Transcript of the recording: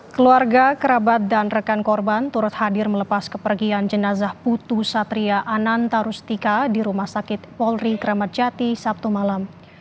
keluarga kerabat dan rekan korban turut hadir melepas kepergian jenazah putu satria ananta rustika di rumah sakit polri kramat jati sabtu malam